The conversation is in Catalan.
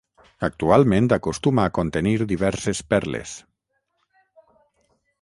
Actualment acostuma a contenir diverses perles.